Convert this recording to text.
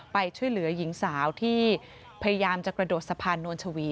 ไปช่วยเหลือหญิงสาวที่พยายามจะกระโดดสะพานนวลชวี